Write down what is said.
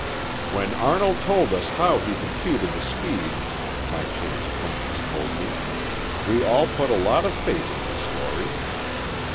"When Arnold told us how he computed the speed," my chance acquaintance told me, "we all put a lot of faith in his story."